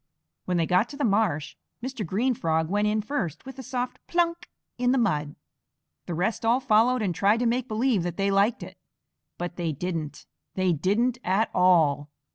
When they got to the marsh, Mr. Green Frog went in first with a soft "plunk" in the mud. The rest all followed and tried to make believe that they liked it, but they didn't they didn't at all.